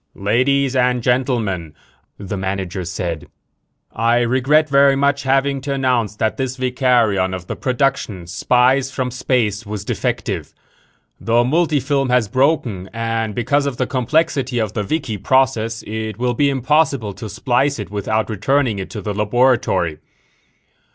"Ladies and gentlemen," the manager said. "I regret very much having to announce that this vicarion of the production Spies from Space was defective. The multifilm has broken and, because of the complexity of the vikie process, it will be impossible to splice it without returning it to the laboratory.